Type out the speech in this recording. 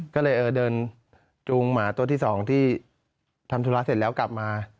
ก็เลยเดินจูงหมาตัวที่๒ที่ทำธุระเสร็จแล้วกลับมา